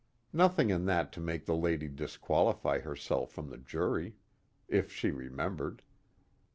Nothing in that to make the lady disqualify herself from the jury, if she remembered.